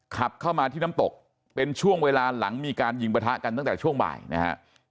ขับเข้ามาที่น้ำตกเป็นช่วงเวลาหลังมีการยิงประทะกันตั้งแต่ช่วงบ่ายนะฮะ